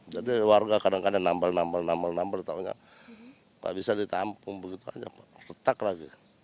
jadi warga kadang kadang nambal nambal nambal nambal tahunnya nggak bisa ditampung begitu aja pak retak lagi